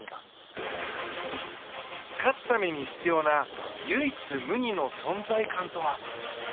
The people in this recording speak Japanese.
勝つために必要な唯一無二の存在感とは？